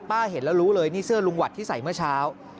เห็นแล้วรู้เลยนี่เสื้อลุงหวัดที่ใส่เมื่อเช้า